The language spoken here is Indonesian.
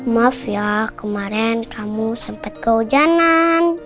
maaf ya kemarin kamu sempat kehujanan